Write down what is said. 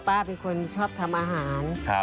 ป้าเป็นคนชอบทำอาหาร